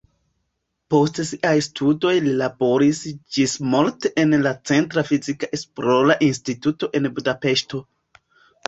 Post siaj studoj li laboris ĝismorte en la centra fizika esplora instituto en Budapeŝto.